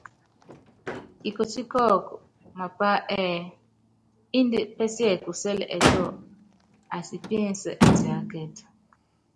Kikotí kɔɔkɔ mapá ɛ́ɛ́ índɛ pɛsiɛkusɛl ɛtɔ, atipínsɛ́, atiákɛ́t.